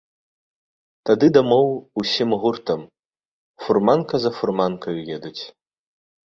Тады дамоў усім гуртам фурманка за фурманкаю едуць.